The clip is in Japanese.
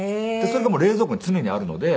それが冷蔵庫に常にあるので。